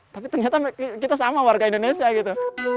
tapi ternyata kita sama warga indonesia gitu